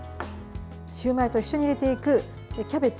シューマイと一緒に入れていくキャベツ。